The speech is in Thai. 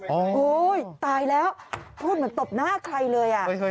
โอ้โหตายแล้วพูดเหมือนตบหน้าใครเลย